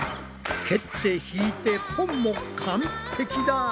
「蹴って引いてポン」も完璧だ！